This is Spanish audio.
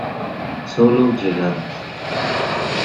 Sólo llegadas.